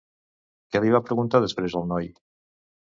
Què li va preguntar després el noi?